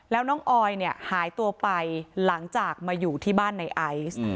แล้วน้องออยเนี่ยหายตัวไปหลังจากมาอยู่ที่บ้านในไอซ์